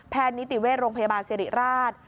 แพทย์นิติเวทย์โรงพยาบาลเสริราช